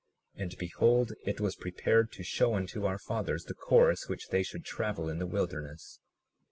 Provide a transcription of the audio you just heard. And behold, it was prepared to show unto our fathers the course which they should travel in the wilderness.